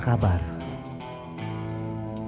kayak lima puluh tahun gitu